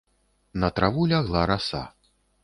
На траву лягла раса.